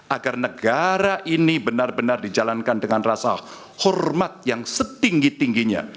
agar negara ini benar benar dijalankan dengan rasa hormat yang setinggi tingginya